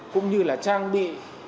cũng như là trang bị